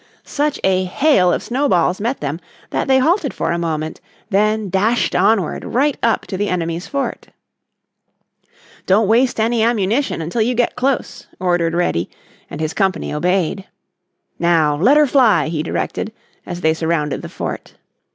Such a hail of snowballs met them that they halted for a moment, then dashed onward right up to the enemy's fort. "Don't waste any ammunition until you get close," ordered Reddy, and his company obeyed. "Now let her fly," he directed, as they surrounded the fort.